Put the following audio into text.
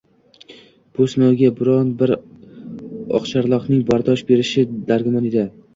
— bu sinovga biror-bir oqcharloqning bardosh berishi dargumon edi.